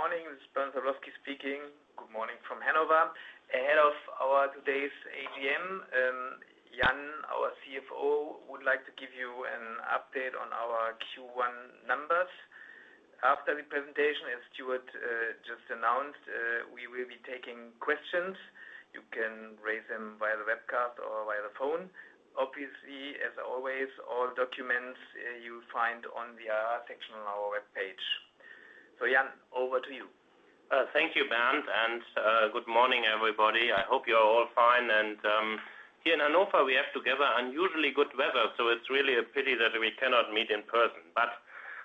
Good morning, this is Bernd Sablowsky speaking. Good morning from Hannover. Ahead of our today's AGM, Jan, our CFO, would like to give you an update on our Q1 numbers. After the presentation, as Stuart just announced, we will be taking questions. You can raise them via the webcast or via the phone. Obviously, as always, all documents, you'll find on the section on our webpage. Jan, over to you. Thank you, Bernd, and good morning, everybody. I hope you're all fine. Here in Hannover, we have together unusually good weather, so it's really a pity that we cannot meet in person.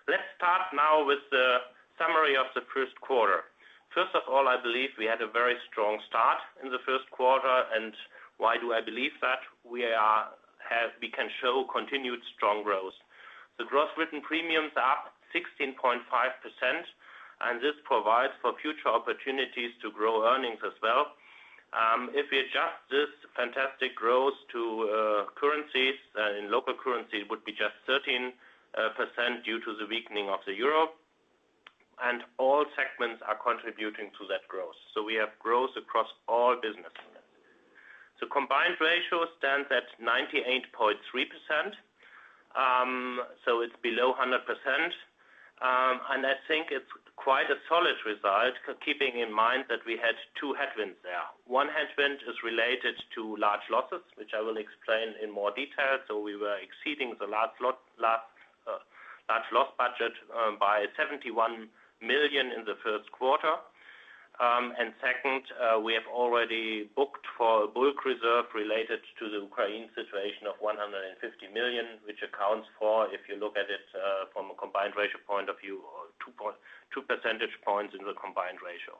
Let's start now with the summary of the first quarter. First of all, I believe we had a very strong start in the first quarter. Why do I believe that? We can show continued strong growth. The gross written premiums are up 16.5%, and this provides for future opportunities to grow earnings as well. If we adjust this fantastic growth to currencies, in local currency, it would be just 13% due to the weakening of the euro. All segments are contributing to that growth. We have growth across all business units. Combined ratio stands at 98.3%, so it's below 100%. I think it's quite a solid result, keeping in mind that we had two headwinds there. One headwind is related to large losses, which I will explain in more detail. We were exceeding the large loss budget by 71 million in the first quarter. Second, we have already booked for a bulk reserve related to the Ukraine situation of 150 million, which accounts for, if you look at it, from a combined ratio point of view, two percentage points in the combined ratio.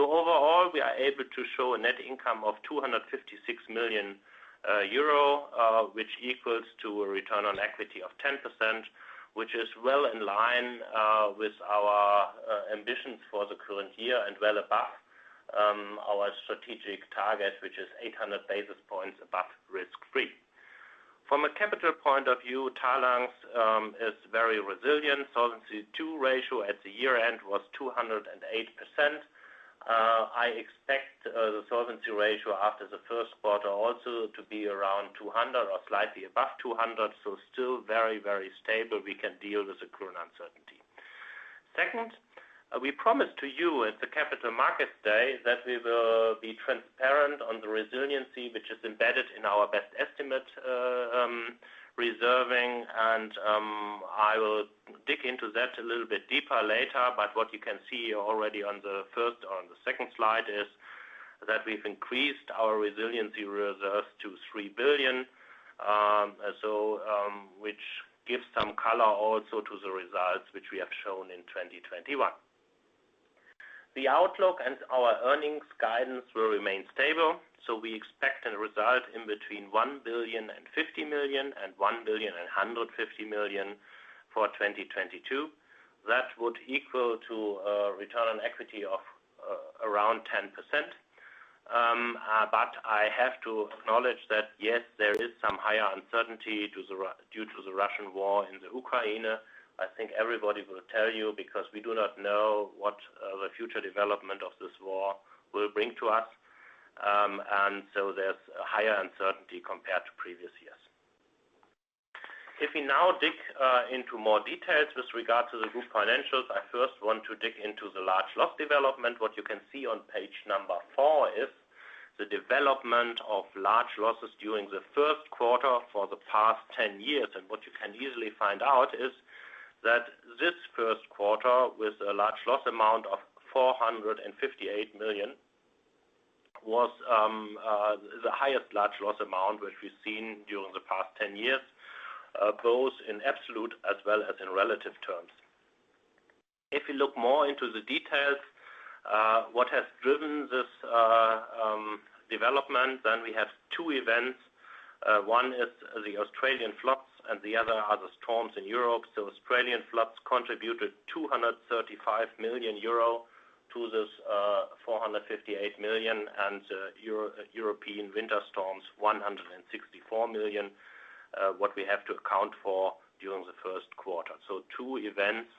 Overall, we are able to show a net income of 256 million euro, which equals to a return on equity of 10%, which is well in line with our ambitions for the current year and well above our strategic target, which is 800 basis points above risk-free. From a capital point of view, Talanx is very resilient. Solvency II ratio at the year-end was 208%. I expect the solvency ratio after the first quarter also to be around 200 or slightly above 200. Still very, very stable. We can deal with the current uncertainty. Second, we promised to you at the Capital Markets Day that we will be transparent on the resiliency, which is embedded in our best estimate reserving. I will dig into that a little bit deeper later. What you can see already on the first or on the second slide is that we've increased our resiliency reserves to 3 billion, which gives some color also to the results which we have shown in 2021. The outlook and our earnings guidance will remain stable. We expect a result in between 1.05 billion and 1.15 billion for 2022. That would equal to a return on equity of around 10%. I have to acknowledge that, yes, there is some higher uncertainty due to the Russian war in the Ukraine. I think everybody will tell you, because we do not know what the future development of this war will bring to us. There's a higher uncertainty compared to previous years. If we now dig into more details with regard to the group financials, I first want to dig into the large loss development. What you can see on page 4 is the development of large losses during the first quarter for the past 10 years. What you can easily find out is that this first quarter, with a large loss amount of 458 million, was the highest large loss amount which we've seen during the past 10 years, both in absolute as well as in relative terms. If you look more into the details, what has driven this development, then we have two events. One is the Australian floods and the other are the storms in Europe. The Australian floods contributed 235 million euro to this, 458 million, and European winter storms, 164 million, what we have to account for during the first quarter. Two events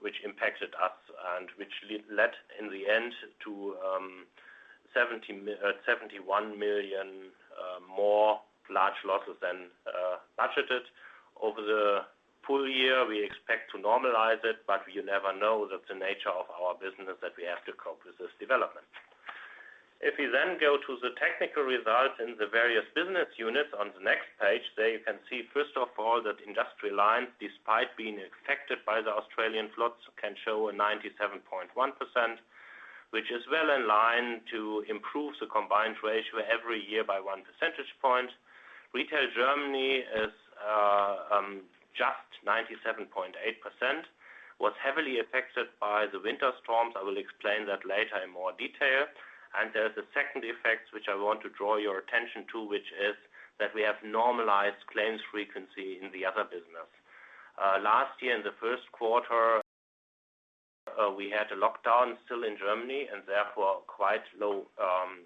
which impacted us and which led in the end to 71 million more large losses than budgeted. Over the full year, we expect to normalize it, but you never know that the nature of our business that we have to cope with this development. If we then go to the technical results in the various business units on the next page, there you can see, first of all, that Industrial Lines, despite being affected by the Australian floods, can show a 97.1%, which is well in line to improve the combined ratio every year by one percentage point. Retail Germany is just 97.8%, was heavily affected by the winter storms. I will explain that later in more detail. There's a second effect, which I want to draw your attention to, which is that we have normalized claims frequency in the other business. Last year in the first quarter, we had a lockdown still in Germany and therefore quite low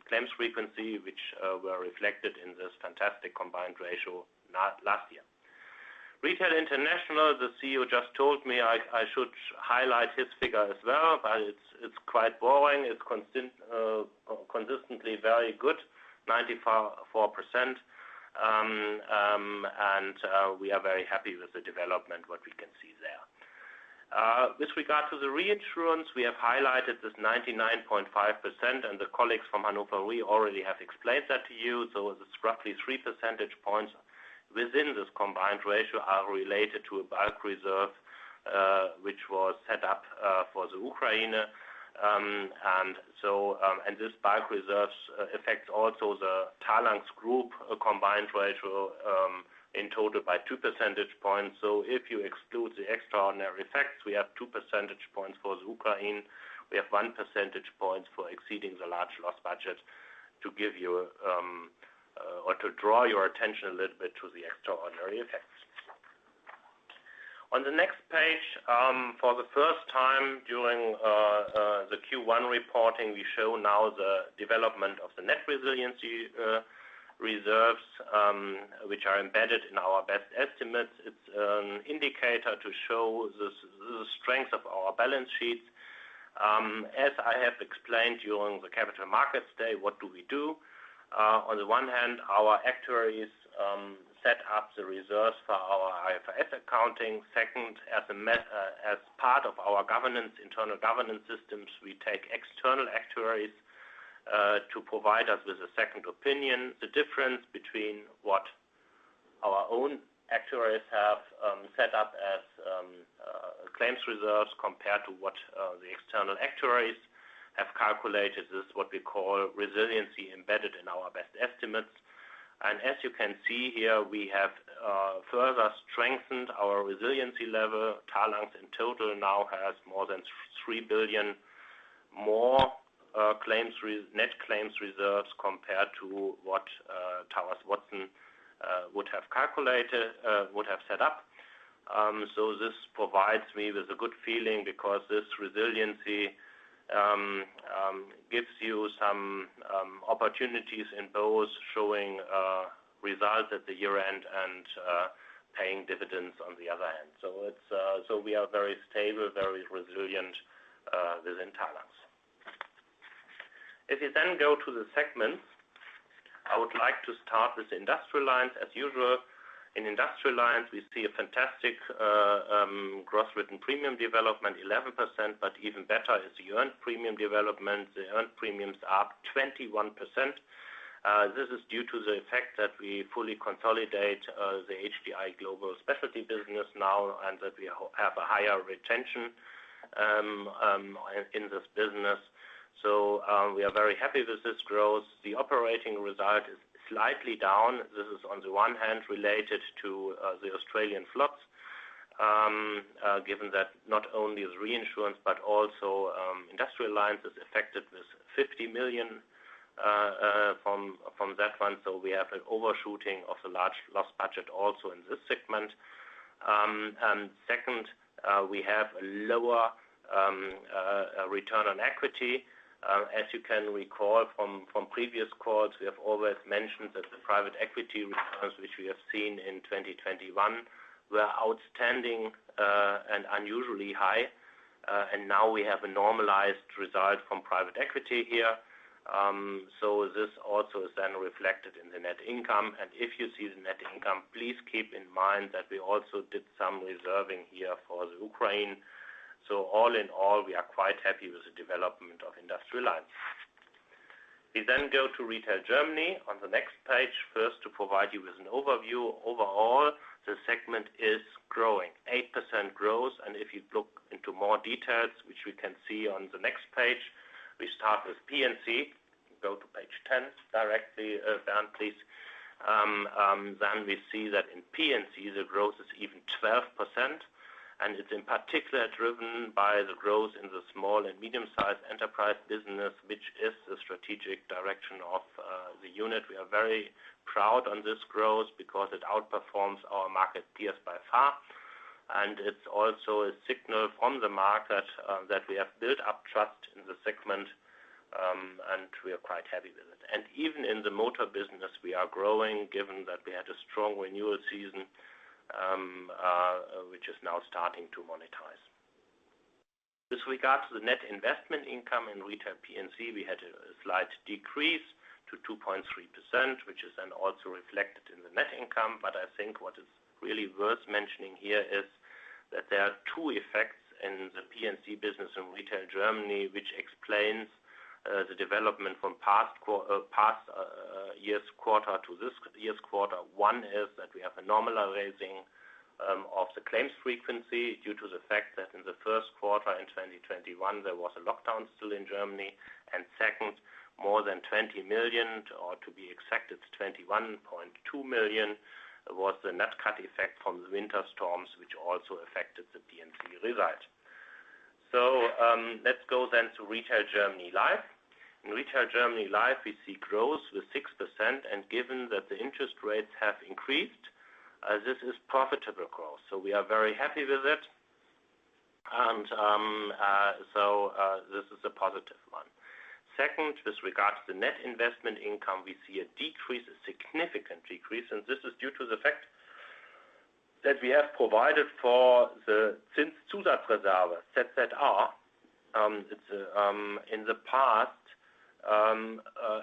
claims frequency, which were reflected in this fantastic combined ratio last year. Retail International, the CEO just told me I should highlight his figure as well, but it's quite boring. It's consistently very good, 94%. We are very happy with the development what we can see there. With regard to the reinsurance, we have highlighted this 99.5%, and the colleagues from Hannover Re already have explained that to you. It's roughly 3 percentage points within this combined ratio are related to a bulk reserve, which was set up for the Ukraine. This bulk reserves affect also the Talanx's group combined ratio in total by 2 percentage points. If you exclude the extraordinary effects, we have 2 percentage points for the Ukraine, we have 1 percentage points for exceeding the large loss budget to give you or to draw your attention a little bit to the extraordinary effects. On the next page, for the first time during the Q1 reporting, we show now the development of the net resiliency reserves, which are embedded in our best estimates. It's an indicator to show the strength of our balance sheets. As I have explained during the Capital Markets Day, what do we do? On the one hand, our actuaries set up the reserves for our IFRS accounting. Second, as part of our governance, internal governance systems, we take external actuaries to provide us with a second opinion. The difference between what our own actuaries have set up as claims reserves compared to what the external actuaries have calculated. This is what we call resiliency embedded in our best estimates. As you can see here, we have further strengthened our resiliency level. Talanx in total now has more than 3 billion more, net claims reserves compared to what Towers Watson would have calculated, would have set up. This provides me with a good feeling because this resiliency gives you some opportunities in both showing results at the year-end and paying dividends on the other hand. We are very stable, very resilient within Talanx. If you then go to the segments, I would like to start with Industrial Lines. As usual, in Industrial Lines, we see a fantastic gross written premium development, 11%, but even better is the earned premium development. The earned premiums are up 21%. This is due to the fact that we fully consolidate the HDI Global Specialty business now, and that we have a higher retention in this business. We are very happy with this growth. The operating result is slightly down. This is on the one hand related to the Australian floods, given that not only is reinsurance but also Industrial Lines affected with 50 million from that one. We have an overshooting of the large loss budget also in this segment. Second, we have a lower return on equity. As you can recall from previous calls, we have always mentioned that the private equity returns, which we have seen in 2021, were outstanding and unusually high. Now we have a normalized result from private equity here. This also is then reflected in the net income. If you see the net income, please keep in mind that we also did some reserving here for the Ukraine. All in all, we are quite happy with the development of Industrial Lines. We then go to Retail Germany on the next page. First, to provide you with an overview. Overall, the segment is growing, 8% growth. If you look into more details, which we can see on the next page, we start with P&C. Go to page 10 directly, Dan, please. Then we see that in P&C, the growth is even 12%, and it's in particular driven by the growth in the small and medium-sized enterprise business, which is the strategic direction of the unit. We are very proud of this growth because it outperforms our market peers by far. It's also a signal from the market that we have built up trust in the segment, and we are quite happy with it. Even in the motor business, we are growing, given that we had a strong renewal season, which is now starting to monetize. With regard to the net investment income in Retail P&C, we had a slight decrease to 2.3%, which is then also reflected in the net income. I think what is really worth mentioning here is that there are two effects in the P&C business in Retail Germany, which explains the development from past year's quarter to this year's quarter. One is that we have a normalizing of the claims frequency due to the fact that in the first quarter in 2021, there was a lockdown still in Germany. Second, more than 20 million, or to be expected, 21.2 million, was the net cat effect from the winter storms, which also affected the P&C result. Let's go then to Retail Germany Life. In Retail Germany Life, we see growth with 6%. Given that the interest rates have increased, this is profitable growth. We are very happy with it. This is a positive one. Second, with regards to net investment income, we see a decrease, a significant decrease, and this is due to the fact that we have provided for the Zusatzreserve, ZZR, it's in the past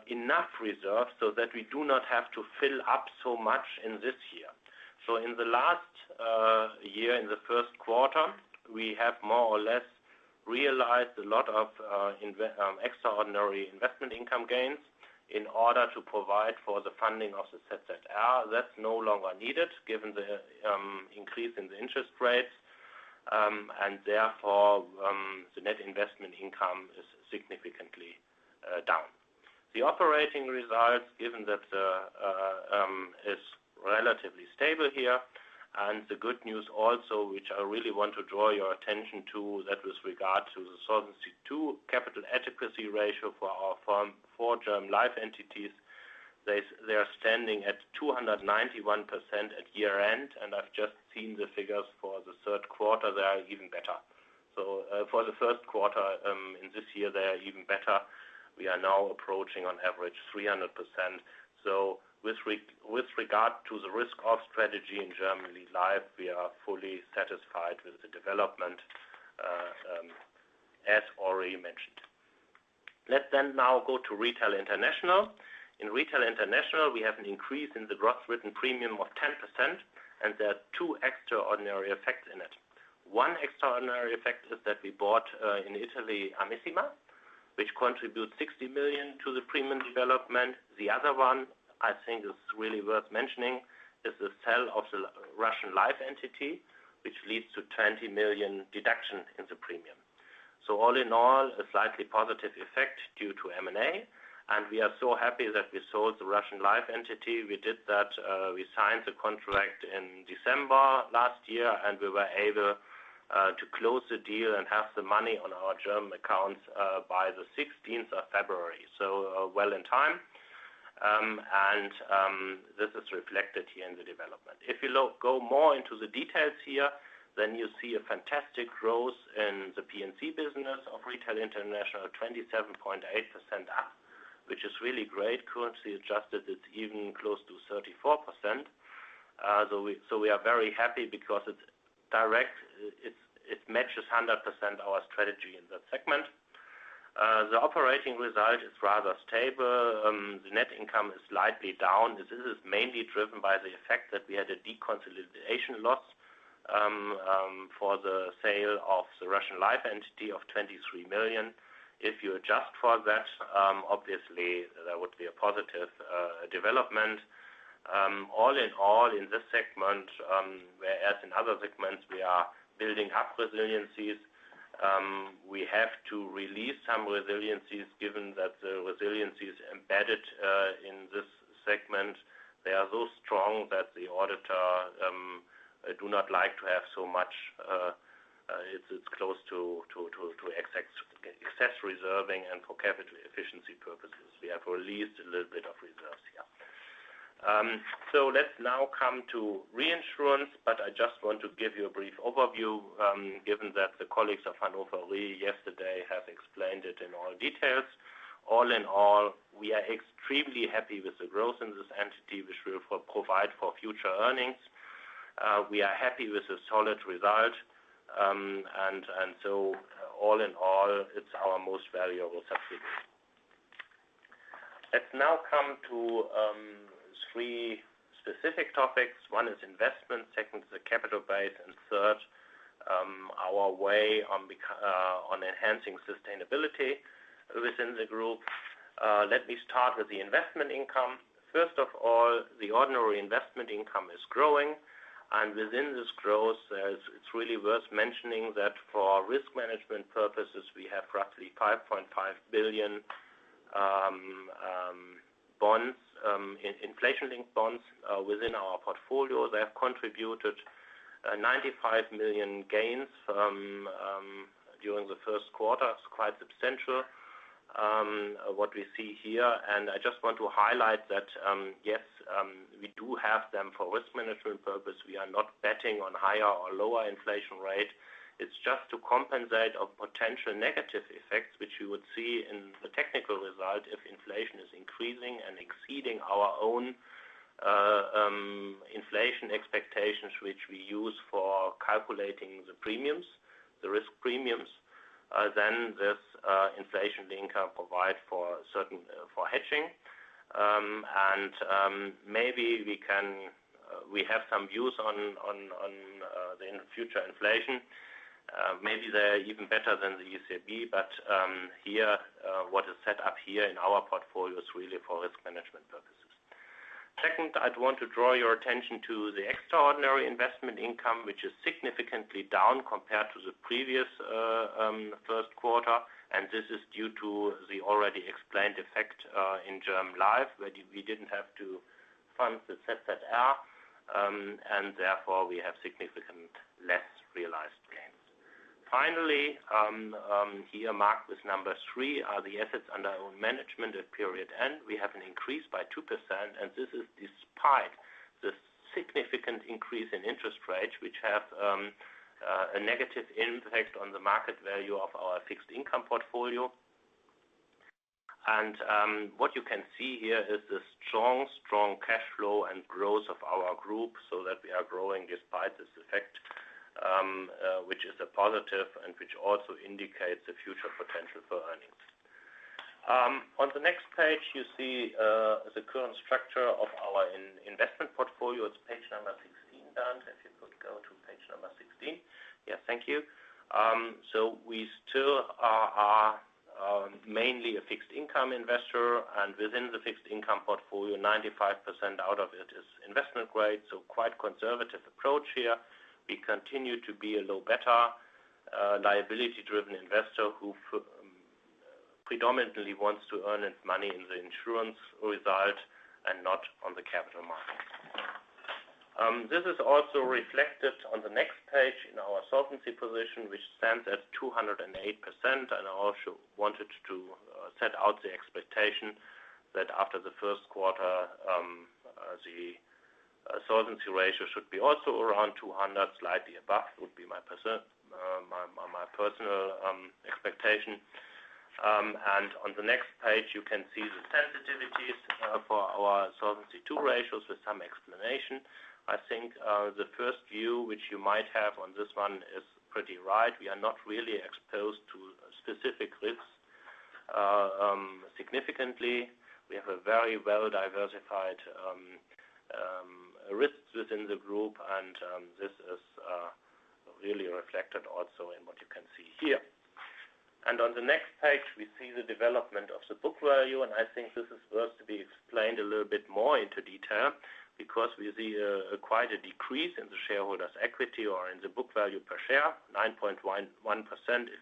enough reserve so that we do not have to fill up so much in this year. In the last year, in the first quarter, we have more or less realized a lot of extraordinary investment income gains in order to provide for the funding of the ZZR. That's no longer needed given the increase in the interest rates. Therefore, the net investment income is significantly down. The operating results, given that, is relatively stable here. The good news also, which I really want to draw your attention to, that with regard to the Solvency II capital adequacy ratio for our firm, for German Life entities, they are standing at 291% at year-end. I've just seen the figures for the third quarter, they are even better. For the first quarter in this year, they are even better. We are now approaching on average 300%. With regard to the risk of strategy in German Life, we are fully satisfied with the development, as already mentioned. Let's then now go to Retail International. In Retail International, we have an increase in the gross written premium of 10%, and there are two extraordinary effects in it. One extraordinary effect is that we bought in Italy, Amissima, which contributes 60 million to the premium development. The other one, I think is really worth mentioning, is the sale of the Russian Life entity, which leads to 20 million deduction in the premium. All in all, a slightly positive effect due to M&A, and we are so happy that we sold the Russian Life entity. We did that, we signed the contract in December last year, and we were able to close the deal and have the money on our German accounts by the sixteenth of February. Well in time. This is reflected here in the development. If you go more into the details here, then you see a fantastic growth in the P&C business of Retail International, 27.8% up, which is really great. Currency adjusted, it's even close to 34%. We are very happy because it's direct. It matches 100% our strategy in that segment. The operating result is rather stable. The net income is slightly down. This is mainly driven by the effect that we had a deconsolidation loss for the sale of the Russian Life entity of 23 million. If you adjust for that, obviously, there would be a positive development. All in all, in this segment, whereas in other segments, we are building up resiliencies. We have to release some resiliencies given that the resiliency is embedded in this segment. They are so strong that the auditor do not like to have so much. It's close to excess reserving and for capital efficiency purposes. We have released a little bit of reserves here. Let's now come to reinsurance, but I just want to give you a brief overview, given that the colleagues of Hannover Re yesterday have explained it in all details. All in all, we are extremely happy with the growth in this entity, which will provide for future earnings. We are happy with the solid result. All in all, it's our most valuable subsidiary. Let's now come to three specific topics. One is investment, second is the capital base, and third, our way on enhancing sustainability within the group. Let me start with the investment income. First of all, the ordinary investment income is growing. Within this growth, it's really worth mentioning that for risk management purposes, we have roughly 5.5 billion bonds, inflation-linked bonds, within our portfolio. They have contributed 95 million gains during the first quarter. It's quite substantial what we see here. I just want to highlight that, yes, we do have them for risk management purpose. We are not betting on higher or lower inflation rate. It's just to compensate a potential negative effects, which you would see in the technical result if inflation is increasing and exceeding our own inflation expectations, which we use for calculating the premiums, the risk premiums. Then this inflation linker can provide for certain hedging. Maybe we have some views on the inflation in the future. Maybe they're even better than the ECB, but here, what is set up here in our portfolio is really for risk management purposes. Second, I want to draw your attention to the extraordinary investment income, which is significantly down compared to the previous first quarter. This is due to the already explained effect in German Life, where we didn't have to fund the ZZR. Therefore, we have significantly less realized gains. Finally, here marked with number three are the assets under own management at period end. We have an increase by 2%, and this is despite the significant increase in interest rates, which have a negative impact on the market value of our fixed income portfolio. What you can see here is the strong cash flow and growth of our group, so that we are growing despite this effect, which is a positive and which also indicates the future potential for earnings. On the next page, you see the current structure of our investment portfolio. It's page number 16, Dan, if you could go to page 16. Yes. Thank you. We still are mainly a fixed income investor, and within the fixed income portfolio, 95% out of it is investment grade. Quite conservative approach here. We continue to be a low beta liability-driven investor who predominantly wants to earn its money in the insurance result and not on the capital markets. This is also reflected on the next page in our solvency position, which stands at 208%. I also wanted to set out the expectation that after the first quarter, the solvency ratio should be also around 200%, slightly above would be my personal expectation. On the next page, you can see the sensitivities for our Solvency II ratios with some explanation. I think, the first view, which you might have on this one is pretty right. We are not really exposed to specific risks significantly. We have a very well-diversified risks within the group, and this is really reflected also in what you can see here. On the next page, we see the development of the book value, and I think this is worth to be explained a little bit more in detail because we see quite a decrease in the shareholders' equity or in the book value per share, 9.11% if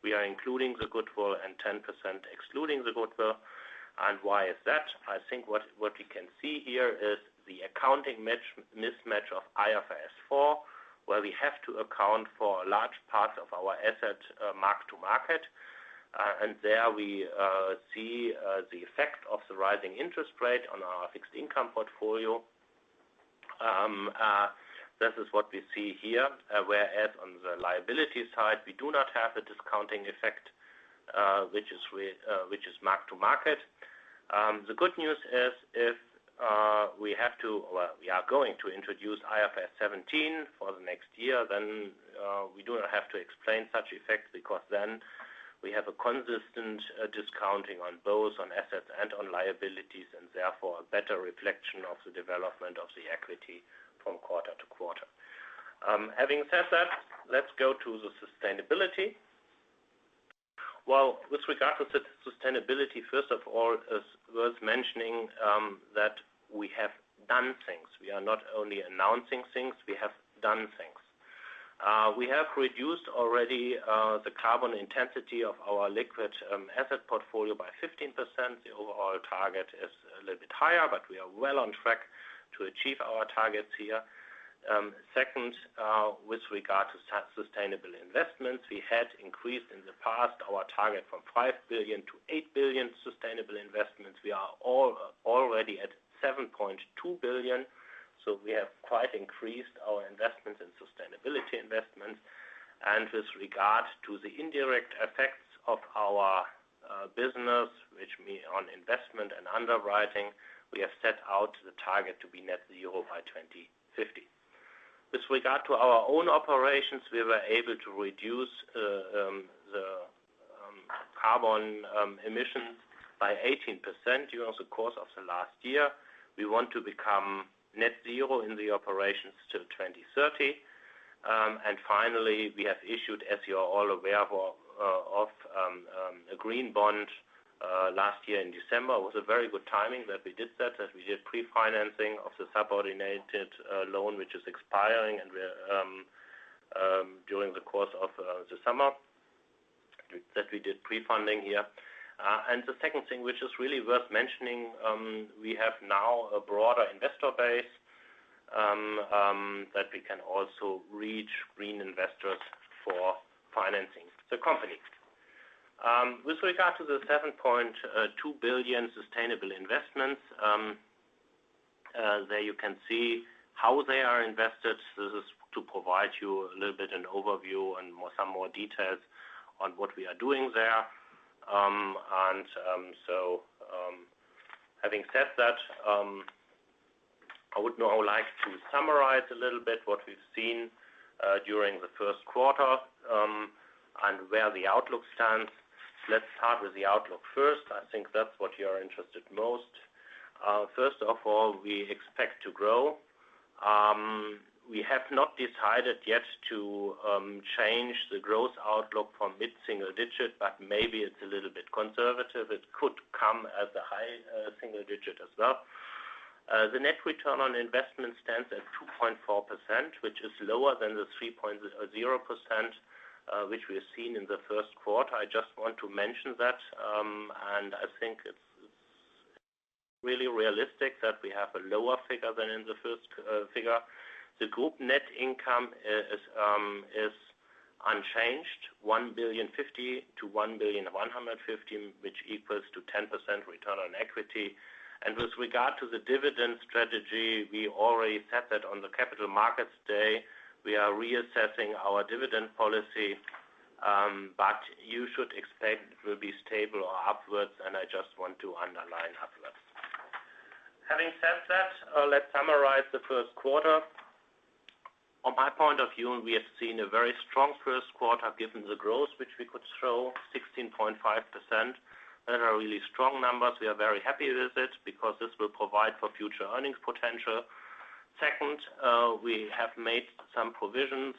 we are including the goodwill and 10% excluding the goodwill. Why is that? I think what we can see here is the accounting mismatch of IFRS 4, where we have to account for large parts of our assets mark-to-market. There we see the effect of the rising interest rate on our fixed income portfolio. This is what we see here, whereas on the liability side, we do not have a discounting effect, which is mark-to-market. The good news is, we are going to introduce IFRS 17 for the next year, then, we do not have to explain such effects because then we have a consistent discounting on both on assets and on liabilities, and therefore a better reflection of the development of the equity from quarter to quarter. Having said that, let's go to the sustainability. With regard to sustainability, first of all, is worth mentioning that we have done things. We are not only announcing things, we have done things. We have reduced already the carbon intensity of our liquid asset portfolio by 15%. The overall target is a little bit higher, but we are well on track to achieve our targets here. Second, with regard to sustainable investments, we had increased in the past our target from 5 billion to 8 billion sustainable investments. We are already at 7.2 billion, so we have quite increased our investments in sustainability investments. With regard to the indirect effects of our business, which means on investment and underwriting, we have set out the target to be net zero by 2050. With regard to our own operations, we were able to reduce the carbon emissions by 18% during the course of the last year. We want to become net zero in the operations till 2030. Finally, we have issued, as you are all aware of, a green bond last year in December. It was a very good timing that we did that, as we did pre-financing of the subordinated loan, which is expiring and we did, during the course of the summer, pre-funding here. The second thing, which is really worth mentioning, we have now a broader investor base that we can also reach green investors for financing the company. With regard to the 7.2 billion sustainable investments, there you can see how they are invested. This is to provide you a little bit an overview and some more details on what we are doing there. Having said that, I would now like to summarize a little bit what we've seen during the first quarter, and where the outlook stands. Let's start with the outlook first. I think that's what you are interested most. First of all, we expect to grow. We have not decided yet to change the growth outlook from mid-single digit, but maybe it's a little bit conservative. It could come as a high single digit as well. The net return on investment stands at 2.4%, which is lower than the 3.0%, which we've seen in the first quarter. I just want to mention that, and I think it's really realistic that we have a lower figure than in the first figure. The group net income is unchanged, 1.05 billion-1.15 billion, which equals to 10% return on equity. With regard to the dividend strategy, we already said that on the Capital Markets Day, we are reassessing our dividend policy, but you should expect it will be stable or upwards, and I just want to underline upwards. Having said that, let's summarize the first quarter. On my point of view, we have seen a very strong first quarter given the growth, which we could show 16.5%. Those are really strong numbers. We are very happy with it because this will provide for future earnings potential. Second, we have made some provisions.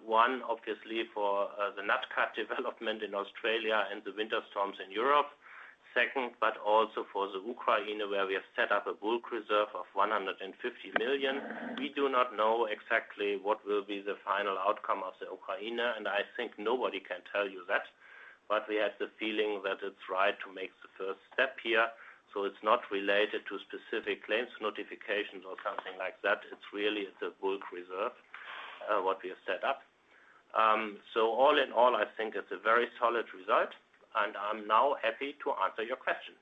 One, obviously, for the nat cat development in Australia and the winter storms in Europe. Second, but also for the Ukraine, where we have set up a bulk reserve of 150 million. We do not know exactly what will be the final outcome of the Ukraine, and I think nobody can tell you that. We have the feeling that it's right to make the first step here, so it's not related to specific claims, notifications or something like that. It's really the bulk reserve, what we have set up. All in all, I think it's a very solid result, and I'm now happy to answer your question.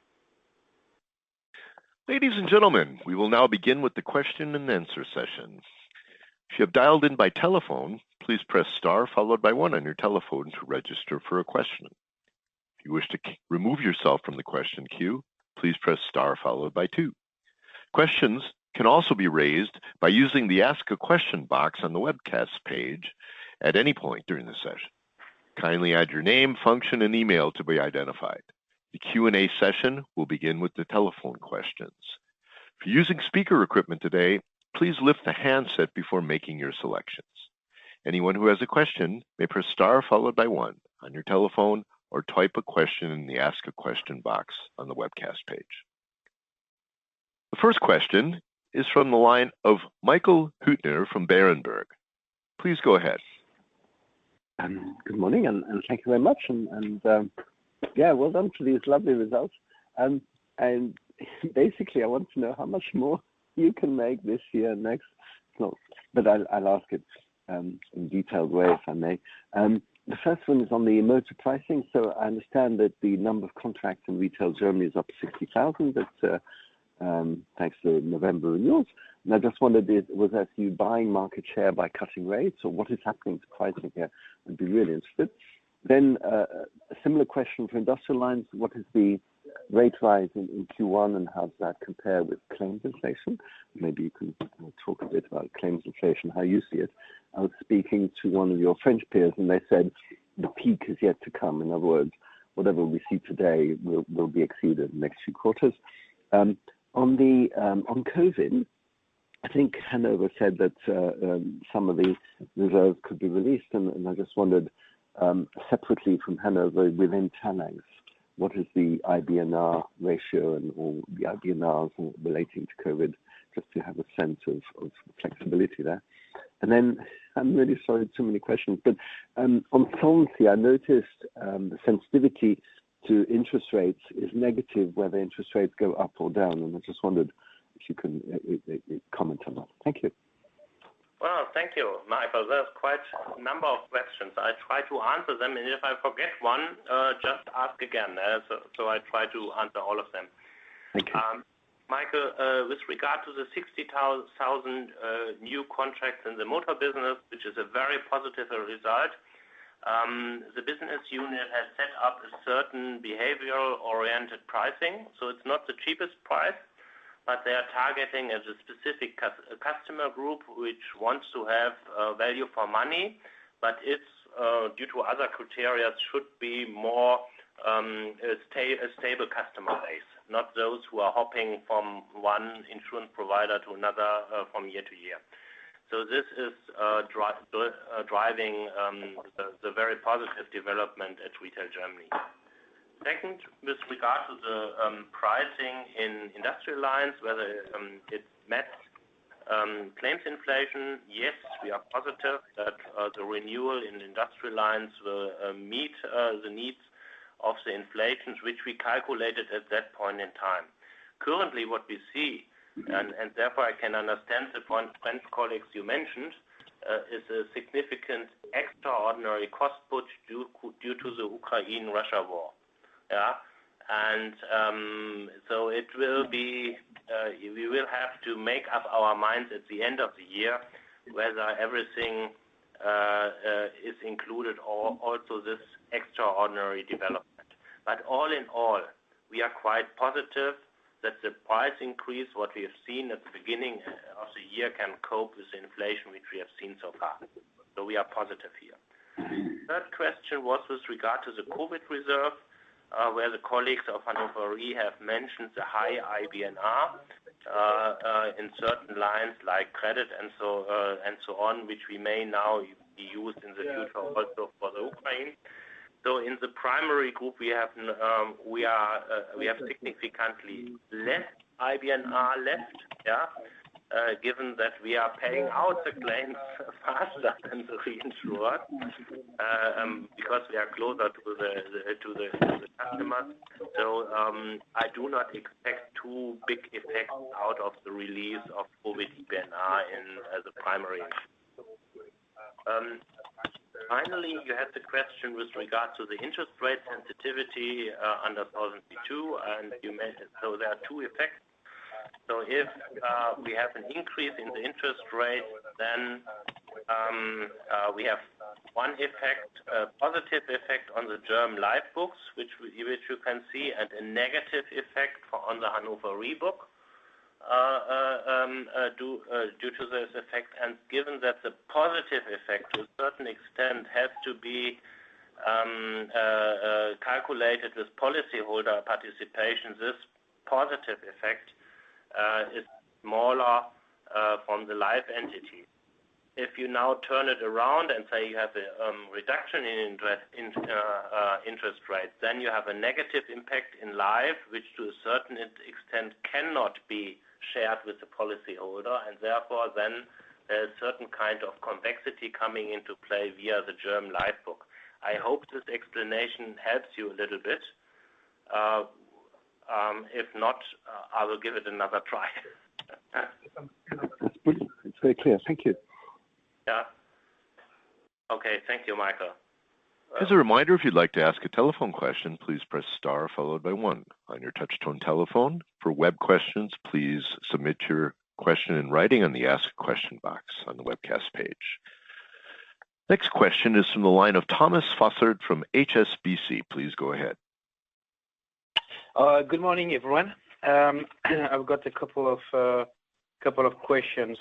Ladies and gentlemen, we will now begin with the question-and-answer session. If you have dialed in by telephone, please press star followed by one on your telephone to register for a question. If you wish to remove yourself from the question queue, please press star followed by two. Questions can also be raised by using the Ask a Question box on the webcast page at any point during the session. Kindly add your name, function, and email to be identified. The Q&A session will begin with the telephone questions. If you're using speaker equipment today, please lift the handset before making your selections. Anyone who has a question may press star followed by one on your telephone or type a question in the Ask a Question box on the webcast page. The first question is from the line of Michael Huttner from Berenberg. Please go ahead. Good morning, and thank you very much. Yeah, well done to these lovely results. But I'll ask it in a detailed way, if I may. The first one is on the motor pricing. I understand that the number of contracts in Retail Germany is up 60,000. That's thanks to November renewals. I just wondered if that was you buying market share by cutting rates or what is happening to pricing here. I'd be really interested. A similar question for Industrial Lines. What is the rate rise in Q1, and how does that compare with claims inflation? Maybe you can talk a bit about claims inflation, how you see it. I was speaking to one of your French peers, and they said the peak is yet to come. In other words, whatever we see today will be exceeded in the next few quarters. On COVID, I think Hannover said that some of these reserves could be released. I just wondered, separately from Hannover within Talanx, what is the IBNR ratio and, or the IBNRs relating to COVID, just to have a sense of flexibility there. Then I'm really sorry, too many questions. On Solvency, I noticed the sensitivity to interest rates is negative, whether interest rates go up or down. I just wondered if you can comment on that. Thank you. Well, thank you, Michael. There's quite a number of questions. I'll try to answer them, and if I forget one, just ask again. I try to answer all of them. Okay. Michael, with regard to the 60,000 new contracts in the motor business, which is a very positive result, the business unit has set up a certain behavior-oriented pricing. It's not the cheapest price, but they are targeting a specific customer group which wants to have value for money. But it's due to other criteria, should be more a stable customer base, not those who are hopping from one insurance provider to another from year to year. This is driving the very positive development at Retail Germany. Second, with regard to the pricing in Industrial Lines, whether it met claims inflation. Yes, we are positive that the renewal in Industrial Lines will meet the needs of the inflation, which we calculated at that point in time. Currently, what we see, therefore, I can understand the point, French colleagues, you mentioned, is a significant extraordinary cost push due to the Ukraine-Russia war. Yeah. We will have to make up our minds at the end of the year whether everything is included or also this extraordinary development. All in all, we are quite positive that the price increase, what we have seen at the beginning of the year, can cope with the inflation, which we have seen so far. We are positive here. Mm-hmm. Third question was with regard to the COVID reserve, where the colleagues of Hannover Re have mentioned the high IBNR in certain lines like credit and so, and so on, which we may now use in the future also for the Ukraine. In the primary group, we have significantly less IBNR left, given that we are paying out the claims faster than the reinsurer, because we are closer to the customer. I do not expect too big effects out of the release of COVID IBNR in as a primary issue. Finally, you had the question with regards to the interest rate sensitivity under Solvency II, and you mentioned so there are two effects. If we have an increase in the interest rate, then we have one effect, a positive effect on the German Life books, which you can see, and a negative effect on the Hannover Re book, due to this effect. Given that the positive effect to a certain extent has to be calculated with policyholder participation, this positive effect is more from the life entity. If you now turn it around and say you have a reduction in interest, in interest rates, then you have a negative impact in life, which to a certain extent cannot be shared with the policyholder. Therefore then there's certain kind of convexity coming into play via the German Life book. I hope this explanation helps you a little bit. If not, I will give it another try. It's pretty, it's very clear. Thank you. Yeah. Okay. Thank you, Michael. As a reminder, if you'd like to ask a telephone question, please press star followed by one on your touch tone telephone. For web questions, please submit your question in writing in the ask question box on the webcast page. Next question is from the line of Thomas Fossard from HSBC. Please go ahead. Good morning, everyone. I've got a couple of questions.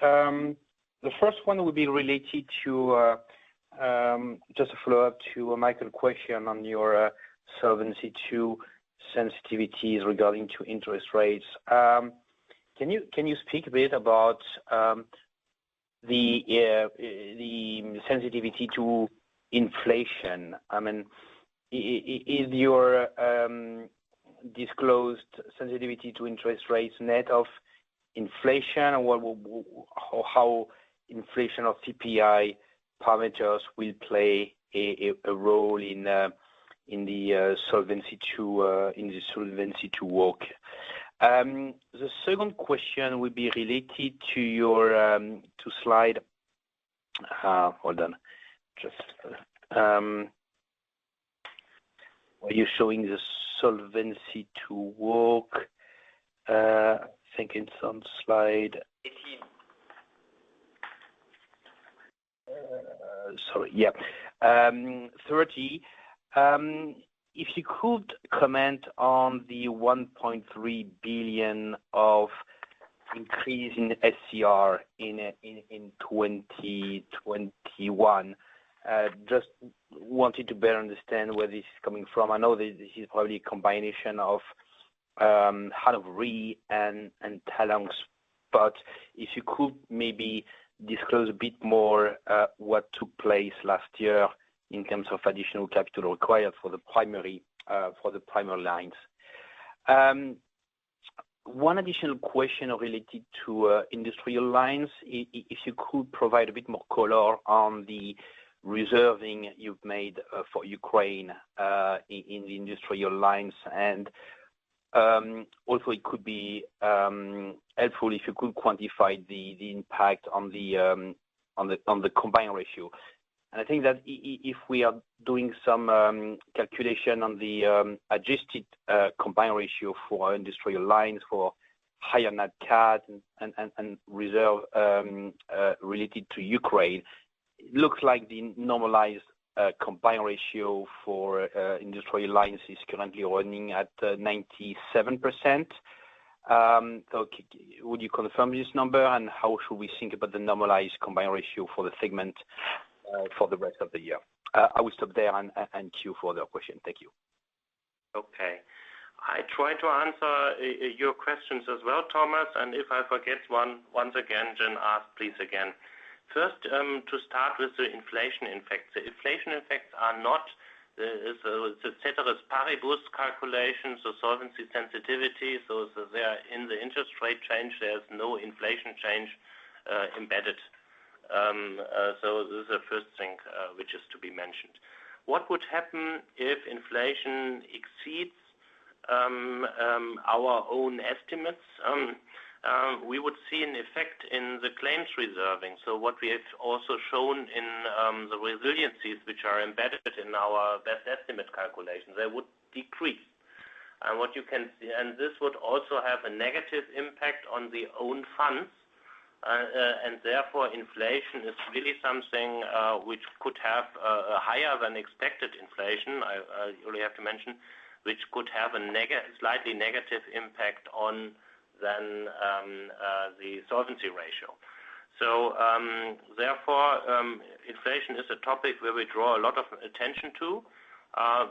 The first one will be related to just a follow-up to Michael's question on your Solvency II sensitivities regarding to interest rates. Can you speak a bit about the sensitivity to inflation? I mean, is your disclosed sensitivity to interest rates net of inflation? Or how inflation of CPI parameters will play a role in the Solvency II work? The second question would be related to your slide. Hold on. Were you showing the Solvency II work? I think it's on slide- Eighteen. Sorry. Yeah. 30. If you could comment on the 1.3 billion increase in SCR in 2021. Just wanted to better understand where this is coming from. I know this is probably a combination of Hannover Re and Talanx, but if you could maybe disclose a bit more what took place last year in terms of additional capital required for the primary lines. One additional question related to industrial lines. If you could provide a bit more color on the reserving you've made for Ukraine in the industrial lines. Also it could be helpful if you could quantify the impact on the combined ratio. I think that if we are doing some calculation on the adjusted combined ratio for our industrial lines for higher net cat and reserve related to Ukraine, it looks like the normalized combined ratio for industrial lines is currently running at 97%. So could you confirm this number? How should we think about the normalized combined ratio for the segment for the rest of the year? I will stop there and queue for the question. Thank you. Okay. I try to answer your questions as well, Thomas, and if I forget one, once again, then ask, please, again. First, to start with the inflation effects. The inflation effects are not so the ceteris paribus calculations, the solvency sensitivity, so they are in the interest rate change. There's no inflation change embedded. This is the first thing which is to be mentioned. What would happen if inflation exceeds our own estimates? We would see an effect in the claims reserving. What we have also shown in the resiliencies which are embedded in our best estimate calculations, they would decrease. What you can see. This would also have a negative impact on the own funds. Inflation is really something which could have a higher than expected inflation. I only have to mention which could have a slightly negative impact on the solvency ratio. Inflation is a topic where we draw a lot of attention to.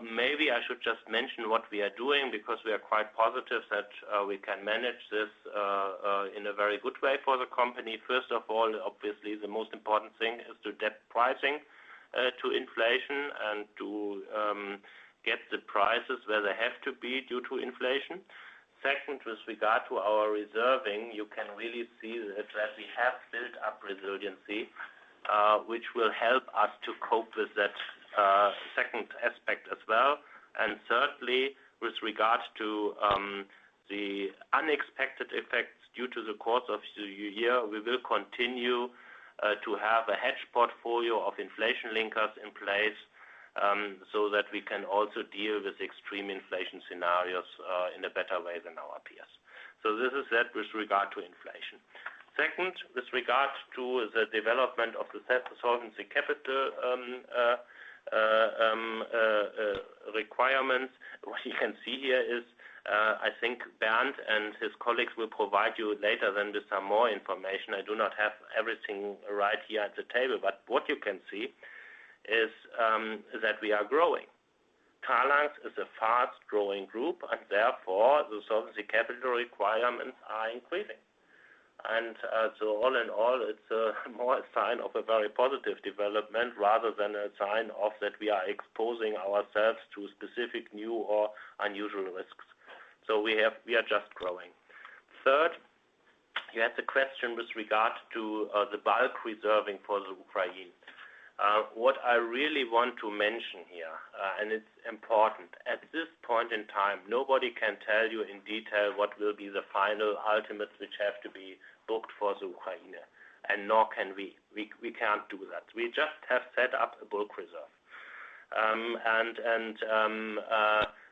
Maybe I should just mention what we are doing because we are quite positive that we can manage this in a very good way for the company. First of all, obviously, the most important thing is to adapt pricing to inflation and to get the prices where they have to be due to inflation. Second, with regard to our reserving, you can really see that we have built up resiliency, which will help us to cope with that second aspect. Thirdly, with regards to the unexpected effects due to the course of the year, we will continue to have a hedge portfolio of inflation linkers in place, so that we can also deal with extreme inflation scenarios in a better way than our peers. This is it with regard to inflation. Second, with regards to the development of the Solvency capital requirements. What you can see here is, I think Bernd and his colleagues will provide you later in this some more information. I do not have everything right here at the table, but what you can see is that we are growing. Talanx is a fast-growing group, and therefore, the solvency capital requirements are increasing. All in all, it's more a sign of a very positive development rather than a sign of that we are exposing ourselves to specific new or unusual risks. We are just growing. Third, you had the question with regard to the bulk reserving for the Ukraine. What I really want to mention here, and it's important. At this point in time, nobody can tell you in detail what will be the final ultimates which have to be booked for the Ukraine, and nor can we. We can't do that. We just have set up a bulk reserve,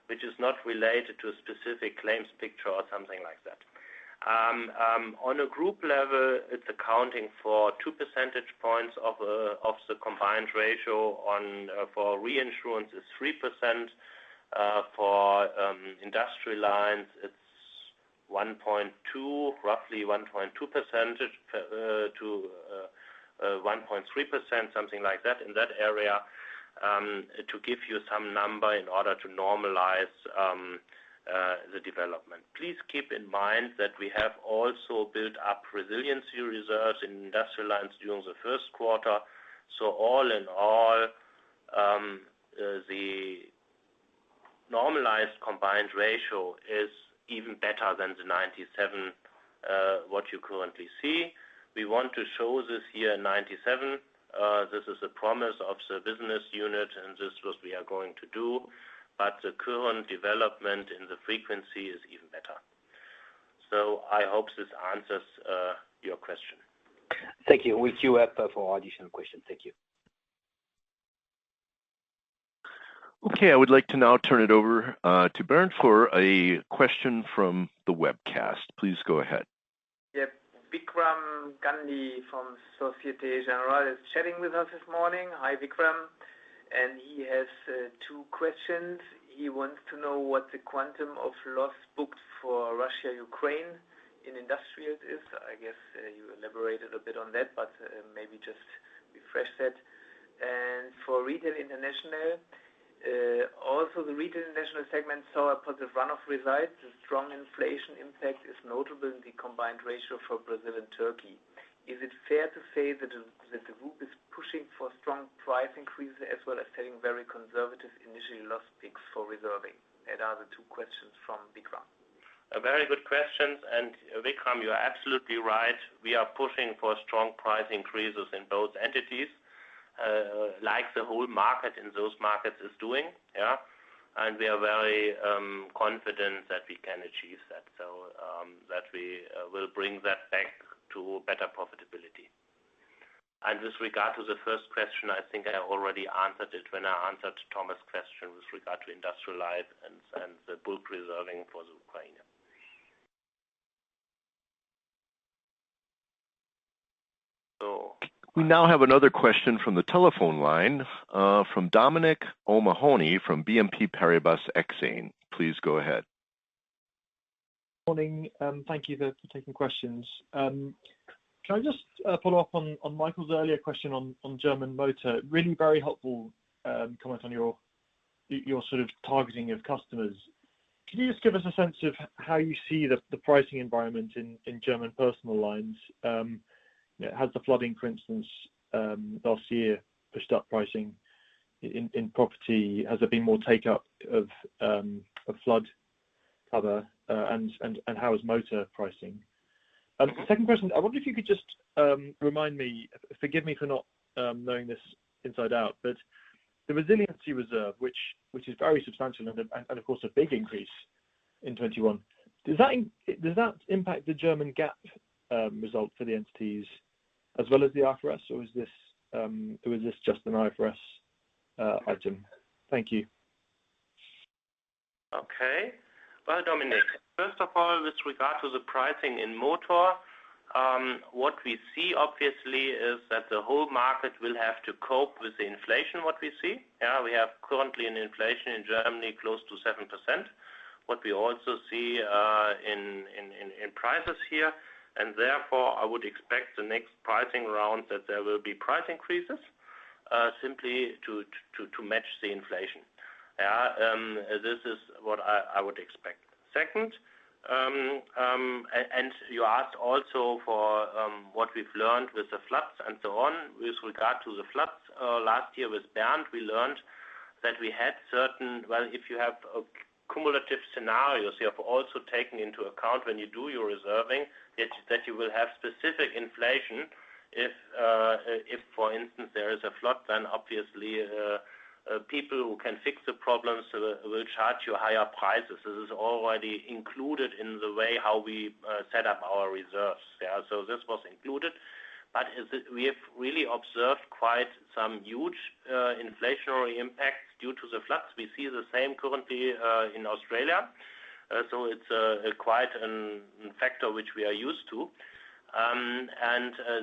which is not related to a specific claims picture or something like that. On a group level, it's accounting for 2 percentage points of the combined ratio. For reinsurance, it's 3%. For Industrial Lines, it's roughly 1.2% to 1.3%, something like that, in that area, to give you some number in order to normalize the development. Please keep in mind that we have also built up resiliency reserves in Industrial Lines during the first quarter. All in all, the normalized combined ratio is even better than the 97 that you currently see. We want to show this year 97. This is a promise of the business unit, and this what we are going to do, but the current development in the frequency is even better. I hope this answers your question. Thank you. We queue up for additional questions. Thank you. Okay. I would like to now turn it over to Bernd for a question from the webcast. Please go ahead. Yep. Vikram Gandhi from Société Générale is chatting with us this morning. Hi, Vikram. He has two questions. He wants to know what the quantum of loss booked for Russia-Ukraine in industrials is. I guess you elaborated a bit on that, but maybe just refresh that. For retail international, also the retail international segment saw a positive run-off result. The strong inflation impact is notable in the combined ratio for Brazil and Turkey. Is it fair to say that the group is pushing for strong price increases as well as taking very conservative initial loss picks for reserving? Those are the two questions from Vikram. A very good question. Vikram, you are absolutely right. We are pushing for strong price increases in both entities, like the whole market in those markets is doing. Yeah. We are very confident that we can achieve that we will bring that back to better profitability. With regard to the first question, I think I already answered it when I answered Thomas Fossard's question with regard to Industrial Lines and the bulk reserving for Ukraine. We now have another question from the telephone line, from Dominic O'Mahony from BNP Paribas Exane. Please go ahead. Morning, thank you for taking questions. Can I just follow up on Michael's earlier question on German motor? Really very helpful comment on your sort of targeting of customers. Can you just give us a sense of how you see the pricing environment in German personal lines? Has the flooding, for instance, last year pushed up pricing in property? Has there been more take-up of flood cover? And how is motor pricing? Second question: I wonder if you could just remind me, forgive me for not knowing this inside out, but the resiliency reserve, which is very substantial and of course a big increase in 2021, does that impact the German GAAP result for the entities as well as the IFRS, or is this just an IFRS item? Thank you. Okay. Well, Dominic, first of all, with regard to the pricing in motor, what we see obviously is that the whole market will have to cope with the inflation, what we see. Yeah, we have currently an inflation in Germany close to 7%. What we also see in prices here, and therefore, I would expect the next pricing round that there will be price increases simply to match the inflation. Yeah, this is what I would expect. Second, you asked also for what we've learned with the floods and so on. With regard to the floods, last year with Bernd, we learned that we had certain... Well, if you have a cumulative scenarios, you have also taken into account when you do your reserving, that you will have specific inflation. If, if for instance, there is a flood, then obviously, people who can fix the problems will charge you higher prices. This is already included in the way how we set up our reserves, yeah. This was included. We have really observed quite some huge inflationary impacts due to the floods. We see the same currently in Australia. It's quite a factor which we are used to.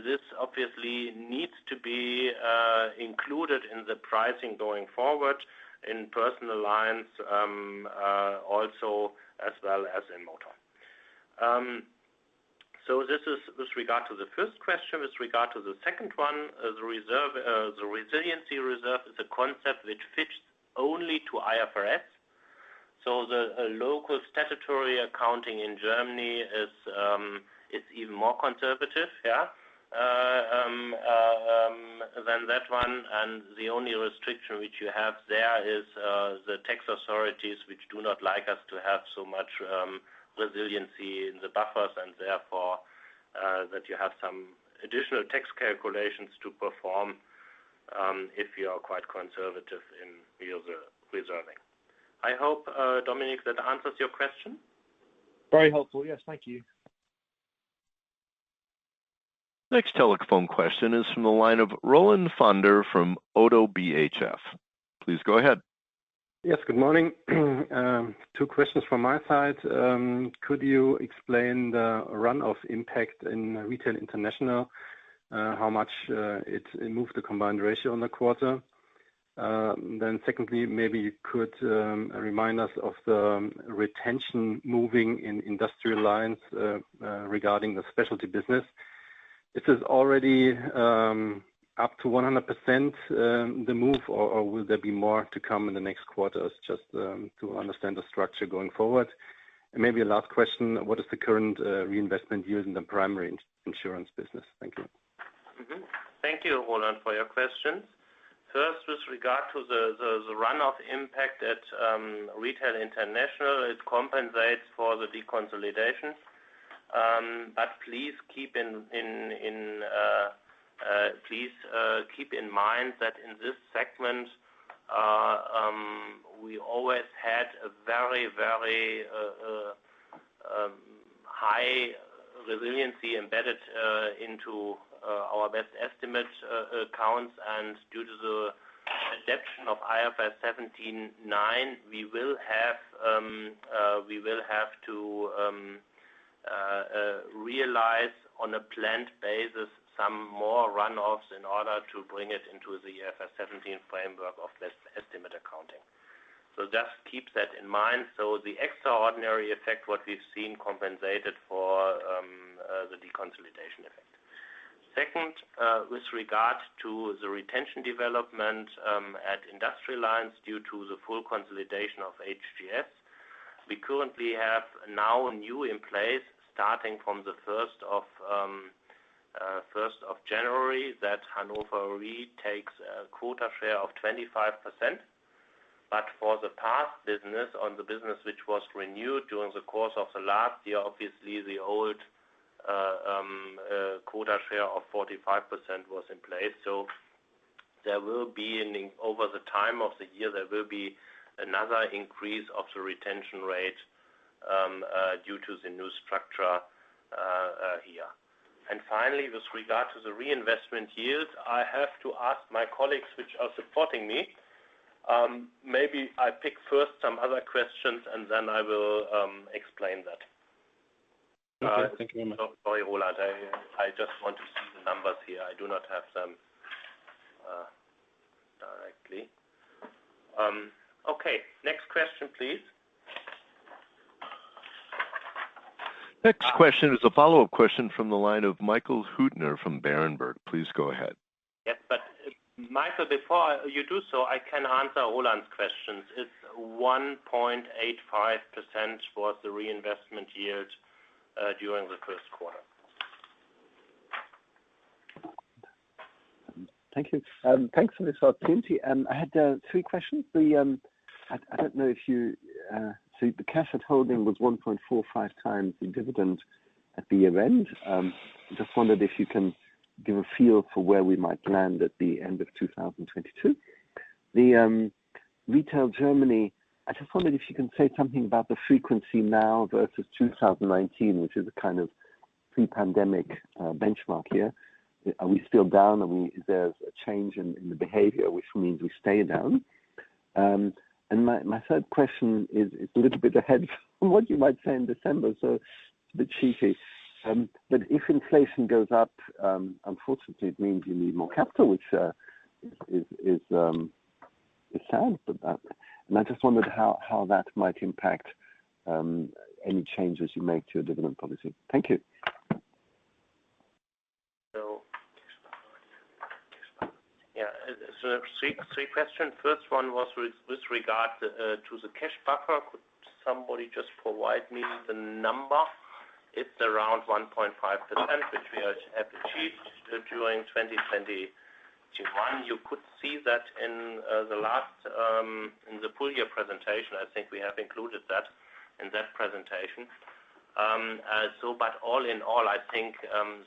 This obviously needs to be included in the pricing going forward in personal lines, also as well as in motor. This is with regard to the first question. With regard to the second one, the reserve, the resiliency reserve is a concept which fits only to IFRS. The local statutory accounting in Germany is even more conservative than that one. The only restriction which you have there is the tax authorities, which do not like us to have so much resiliency in the buffers, and therefore, that you have some additional tax calculations to perform, if you are quite conservative in reserves. I hope, Dominic, that answers your question. Very helpful. Yes. Thank you. Next telephone question is from the line of Roland Pfänder from Oddo BHF. Please go ahead. Yes, good morning. Two questions from my side. Could you explain the run-off impact in Retail International, how much it moved the combined ratio on the quarter? Then secondly, maybe you could remind us of the retention moving in Industrial Lines, regarding the specialty business. This is already up to 100%, the move or will there be more to come in the next quarters? Just to understand the structure going forward. Maybe a last question, what is the current reinvestment yield in the primary insurance business? Thank you. Mm-hmm. Thank you, Roland, for your questions. First, with regard to the run off impact at Retail International, it compensates for the deconsolidation. But please keep in mind that in this segment, we always had a very high resiliency embedded into our best estimate accounts. Due to the adoption of IFRS 17/9, we will have to realize on a planned basis some more runoffs in order to bring it into the IFRS 17 framework of best estimate accounting. Just keep that in mind. The extraordinary effect, what we've seen compensated for, the deconsolidation effect. Second, with regard to the retention development, at Industrial Lines due to the full consolidation of HDI, we currently have now new in place, starting from the first of January, that Hannover Re takes a quota share of 25%. For the past business or the business which was renewed during the course of the last year, obviously the old quota share of 45% was in place. Over the time of the year, there will be another increase of the retention rate, due to the new structure, here. Finally, with regard to the reinvestment yields, I have to ask my colleagues, which are supporting me. Maybe I pick first some other questions, and then I will explain that. Okay. Thank you very much. Sorry, Roland. I just want to see the numbers here. I do not have them directly. Okay, next question, please. Next question is a follow-up question from the line of Michael Huttner from Berenberg. Please go ahead. Yes, Michael, before you do so, I can answer Roland's questions. It's 1.85% was the reinvestment yield during the first quarter. Thank you. Thanks for the certainty. I had three questions. The cash at holding was 1.45 times the dividend at the event. Just wondered if you can give a feel for where we might land at the end of 2022. Retail Germany, I just wondered if you can say something about the frequency now versus 2019, which is a kind of pre-pandemic benchmark here. Are we still down? Is there a change in the behavior, which means we stay down? My third question is a little bit ahead from what you might say in December, so it's a bit cheeky. If inflation goes up, unfortunately it means you need more capital, which is sad, but I just wondered how that might impact any changes you make to your dividend policy. Thank you. Three questions. First one was with regard to the cash buffer. Could somebody just provide me the number? It's around 1.5%, which we have achieved during 2021. You could see that in the last full year presentation. I think we have included that in that presentation. But all in all, I think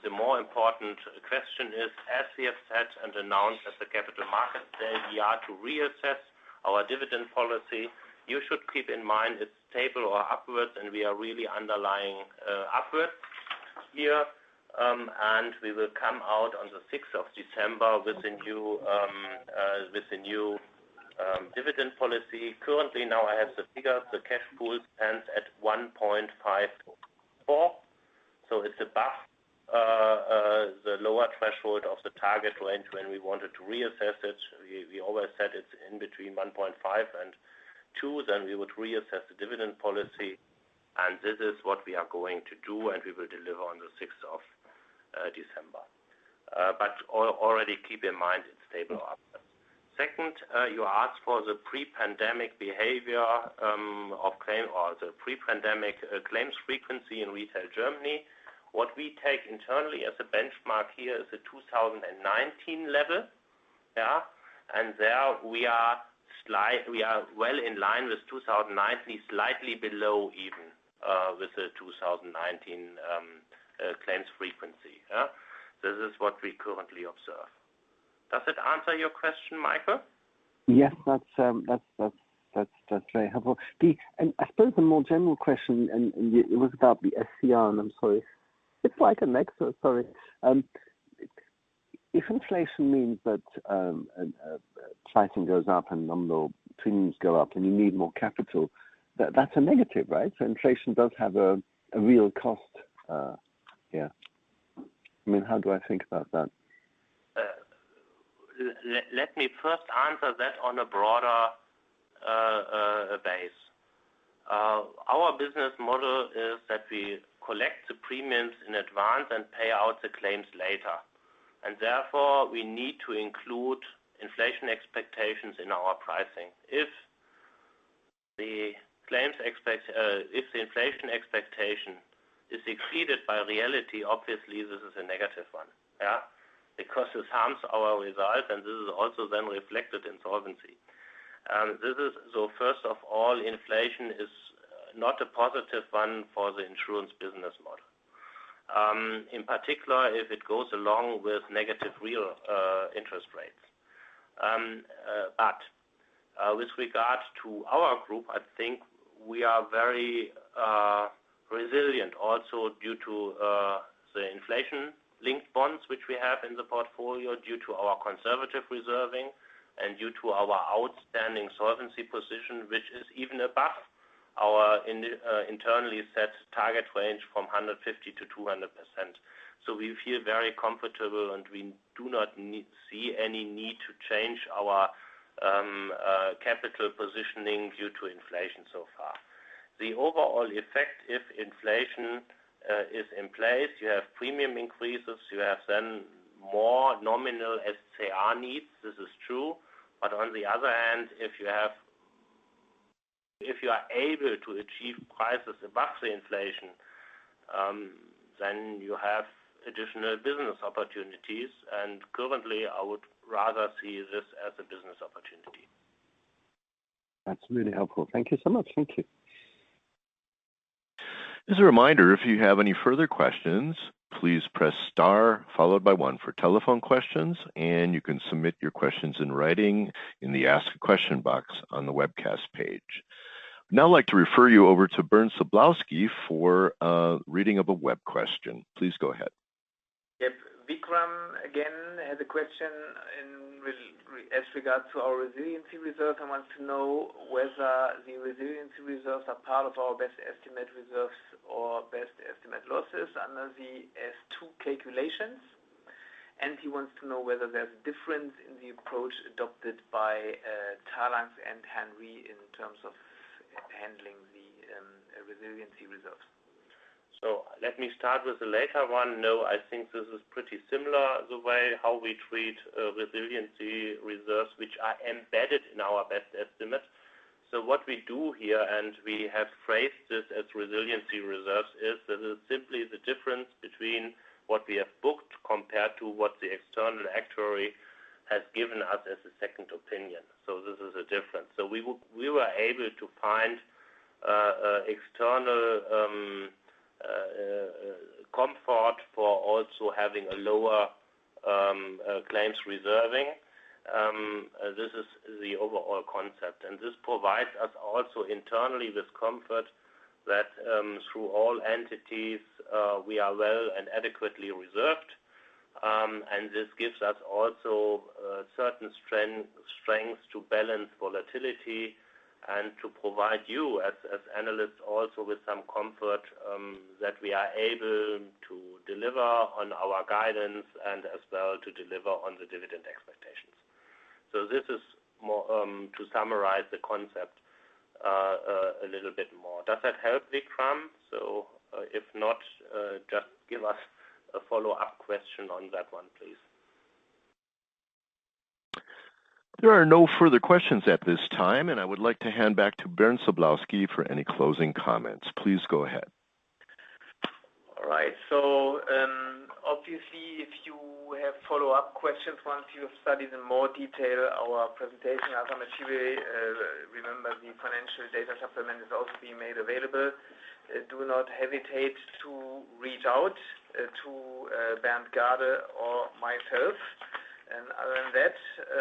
the more important question is, as we have said and announced at the Capital Markets Day, we are to reassess our dividend policy. You should keep in mind it's stable or upwards, and we are really underlining upward here. And we will come out on the sixth of December with the new dividend policy. Currently, now I have the figure, the cash pool stands at 1.54. It's above the lower threshold of the target range when we wanted to reassess it. We always said it's in between 1.5 and 2, then we would reassess the dividend policy, and this is what we are going to do, and we will deliver on the sixth of December. Already keep in mind it's stable upwards. Second, you asked for the pre-pandemic behavior of the pre-pandemic claims frequency in Retail Germany. What we take internally as a benchmark here is the 2019 level. There we are well in line with 2019, slightly below even, with the 2019 claims frequency. This is what we currently observe. Does that answer your question, Michael? Yes. That's very helpful. I suppose the more general question, and it was about the SCR, and I'm sorry. It's like a nexus, sorry. If inflation means that, pricing goes up and nominal premiums go up and you need more capital, that's a negative, right? Inflation does have a real cost here. I mean, how do I think about that? Let me first answer that on a broader base. Our business model is that we collect the premiums in advance and pay out the claims later. Therefore, we need to include inflation expectations in our pricing. If the inflation expectation is exceeded by reality, obviously, this is a negative one. Yeah. Because it harms our result, and this is also then reflected in solvency. First of all, inflation is not a positive one for the insurance business model. In particular, if it goes along with negative real interest rates. With regards to our group, I think we are very resilient also due to the inflation-linked bonds, which we have in the portfolio due to our conservative reserving and due to our outstanding solvency position, which is even above our internally set target range from 150% to 200%. We feel very comfortable, and we do not see any need to change our capital positioning due to inflation so far. The overall effect, if inflation is in place, you have premium increases, you have then more nominal SCR needs. This is true. On the other hand, if you are able to achieve prices above the inflation, then you have additional business opportunities. Currently, I would rather see this as a business opportunity. That's really helpful. Thank you so much. Thank you. As a reminder, if you have any further questions, please press star followed by one for telephone questions, and you can submit your questions in writing in the ask a question box on the webcast page. Now, I'd like to refer you over to Bernd Sablowsky for a reading of a web question. Please go ahead. Yep. Vikram, again, has a question in regard to our resiliency reserve and wants to know whether the resiliency reserves are part of our best estimate reserves or best estimate losses under the S2 calculations. He wants to know whether there's a difference in the approach adopted by Talanx and Hannover Re in terms of handling the resiliency reserves. Let me start with the latter one. No, I think this is pretty similar, the way how we treat resiliency reserves, which are embedded in our best estimate. What we do here, and we have phrased this as resiliency reserves, is this is simply the difference between what we have booked compared to what the external actuary has given us as a second opinion. This is a difference. We were able to find external comfort for also having a lower claims reserving. This is the overall concept. This provides us also internally with comfort that through all entities we are well and adequately reserved. This gives us also certain strengths to balance volatility and to provide you as analysts also with some comfort that we are able to deliver on our guidance and as well to deliver on the dividend expectations. This is more to summarize the concept a little bit more. Does that help, Vikram? If not, just give us a follow-up question on that one, please. There are no further questions at this time, and I would like to hand back to Bernd Sablowsky for any closing comments. Please go ahead. All right. Obviously, if you have follow-up questions once you've studied in more detail our presentation as well as, remember the financial data supplement is also being made available. Do not hesitate to reach out to Bernt Gade or myself. Other than that,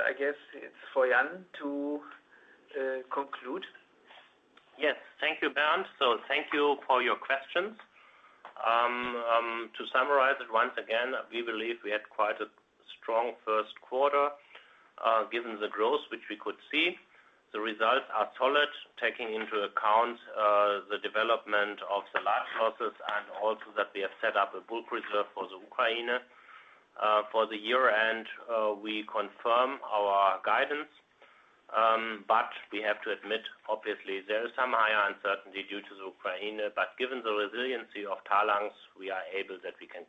I guess it's for Jan to conclude. Yes. Thank you, Bernd. Thank you for your questions. To summarize it once again, we believe we had quite a strong first quarter, given the growth which we could see. The results are solid, taking into account the development of the life business and also that we have set up a bulk reserve for the Ukraine. For the year-end, we confirm our guidance. We have to admit, obviously, there is some higher uncertainty due to the Ukraine. Given the resiliency of Talanx, we are able to say that we can cope.